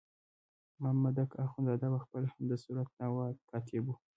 مامدک اخندزاده په خپله هم د صورت دعوا کاتب وو.